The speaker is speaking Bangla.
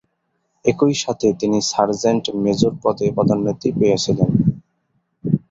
একই সাথে, তিনি সার্জেন্ট মেজর পদে পদোন্নতি পেয়েছিলেন।